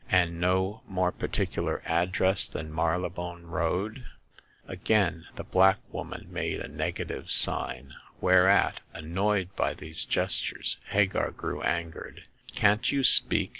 " And no more particular address than Mary lebone Road ?" Again the black woman made a negative sign, whereat, annoyed by these gestures, Hagar grew angered. Can't you speak